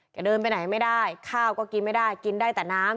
เดินไปไหนไม่ได้ข้าวก็กินไม่ได้กินได้แต่น้ำ